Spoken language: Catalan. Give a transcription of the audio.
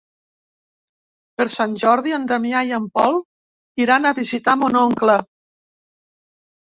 Per Sant Jordi en Damià i en Pol iran a visitar mon oncle.